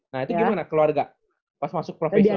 nah itu gimana keluarga pas masuk profesional